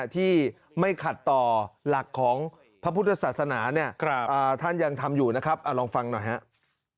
ที่ไม่ขัดต่อหลักของพระพุทธศาสนาเนี่ยท่านยังทำอยู่นะครับลองฟังหน่อยครับ